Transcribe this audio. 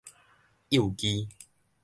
幼妓